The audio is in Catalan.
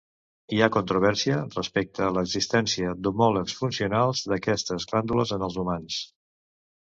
Hi ha controvèrsia respecte a l'existència d'homòlegs funcionals d'aquestes glàndules en els humans.